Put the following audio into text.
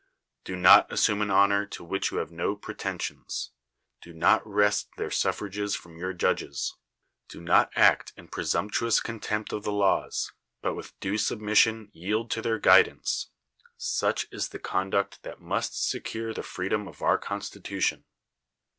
Do not assuPxie an honor to which you have no pretensions; do not wrest their suf frages from you7 judges; do not act in pre sumptuous contempt of the laws, but with due submission yield to their guidance. Such is the conduct that nnist secure the freedom of our constitution."